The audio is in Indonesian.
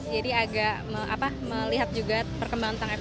jadi agak melihat juga perkembangan tentang fbi ini